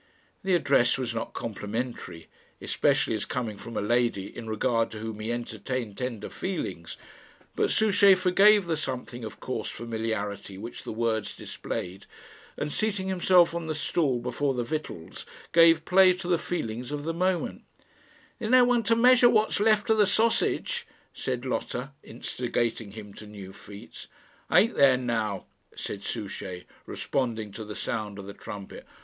The address was not complimentary, especially as coming from a lady in regard to whom he entertained tender feelings; but Souchey forgave the something of coarse familiarity which the words displayed, and, seating himself on the stool before the victuals, gave play to the feelings of the moment. "There's no one to measure what's left of the sausage," said Lotta, instigating him to new feats. "Ain't there now?" said Souchey, responding to the sound of the trumpet.